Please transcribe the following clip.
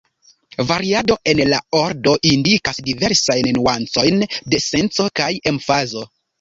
Variado en la ordo indikas diversajn nuancojn de senco kaj emfazo.